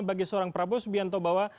bagi seorang prabowo sebiar tahu bahwa